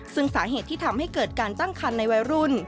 ซึ่งสาเหตุที่ทำให้เกิดการตั้งคันในวัยรุ่น